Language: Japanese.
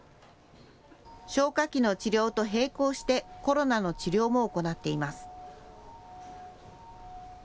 消化器の治療と並行してコロナの治療も行っています。